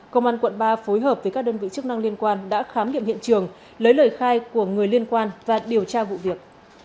công an quận ba phối hợp với các đơn vị chức năng liên quan đã khám nghiệm hiện trường lấy lời khai của người liên quan và điều tra vụ việc